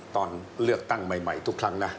ตอนเลือกตั้งใหม่ทุกครั้งนะ